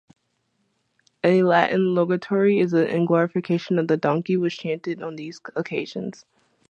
A Latin liturgy in glorification of the donkey was chanted on these occasions.